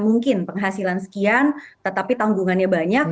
mungkin penghasilan sekian tetapi tanggungannya banyak